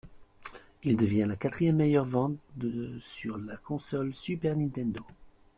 Il devient la quatrième meilleure vente de sur la console Super Nintendo.